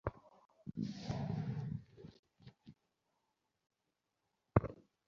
আপনি তো জানেন, আমি তাঁর কথা গ্রাহ্যই করি না।